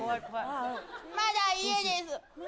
まだ家です。